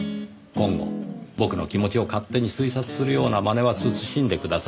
今後僕の気持ちを勝手に推察するようなまねは慎んでください。